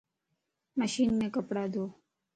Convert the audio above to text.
مشين مَ ڪپڙا ڌو